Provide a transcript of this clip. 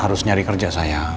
harus nyari kerja saya